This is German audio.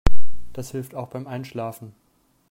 Das hilft auch beim Einschlafen.